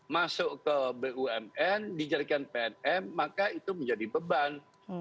masuk ke bumn dijadikan pnm maka itu menjadi beban